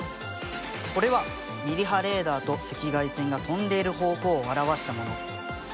これはミリ波レーダーと赤外線が飛んでいる方向を表したもの。